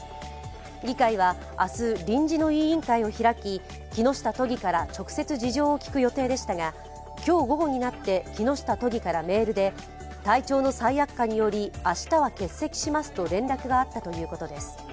議会は明日、臨時の委員会を開き、木下都議から直接、事情を聴く予定でしたが今日午後になって木下都議からメールで、体調の再悪化により明日は欠席しますと連絡があったということです。